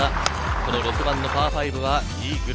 ６番のパー５はイーグル。